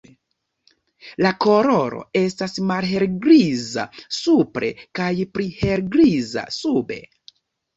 La koloro estas malhelgriza supre kaj pli helgriza sube.